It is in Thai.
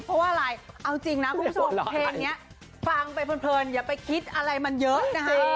เพราะว่าอะไรเอาจริงนะคุณผู้ชมเพลงอย่าไปคิดอะไรมันเยอะนะฮะ